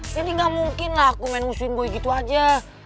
jadi gak mungkin lah aku main musuhin boy gitu aja